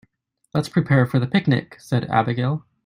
"Let's prepare for the picnic!", said Abigail.